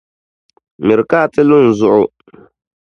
Miri ka a ti lu n zuɣu.